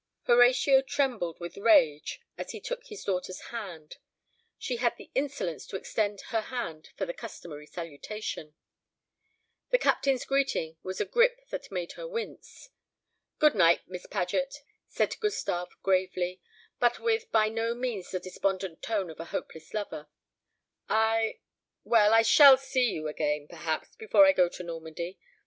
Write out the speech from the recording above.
Horatio trembled with rage as he took his daughter's hand. She had the insolence to extend her hand for the customary salutation. The Captain's greeting was a grip that made her wince. "Good night, Miss Paget," said Gustave gravely, but with by no means the despondent tone of a hopeless lover; "I well, I shall see you again, perhaps, before I go to Normandy.